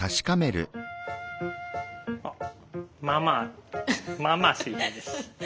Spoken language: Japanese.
あっまあまあまあまあ水平です。